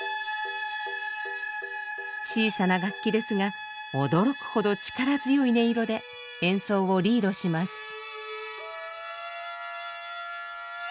小さな楽器ですが驚くほど力強い音色で演奏をリードします。